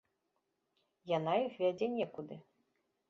Яна іх вядзе некуды.